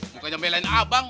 mukanya melayani abang